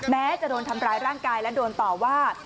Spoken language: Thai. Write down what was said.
แม้จะโดนทำร้ายร่างกายและโดนต่อว่า